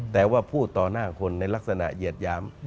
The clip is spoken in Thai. แต่ว่าพูดต่อหน้าคนในลักษณะเหยียดหยาม